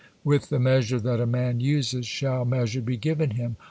'With the measure that a man uses, shall measure be given him.'